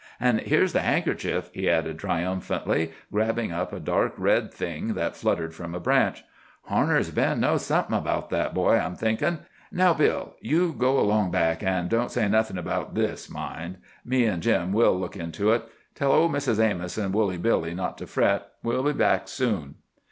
"An' here's the handkerchief," he added triumphantly, grabbing up a dark red thing that fluttered from a branch. "Harner's Bend knows somethin' about that boy, I'm thinkin'. Now, Bill, you go along back, an' don't say nothin' about this, mind! Me an' Jim, we'll look into it. Tell old Mrs. Amos and Woolly Billy not to fret. We'll be back soon."